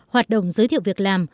hoạt động giới thiệu việc làm